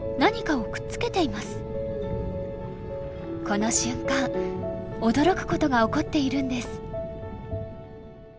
この瞬間驚くことが起こっているんです。